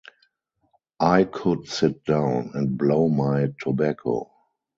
I could sit down and blow my tobacco.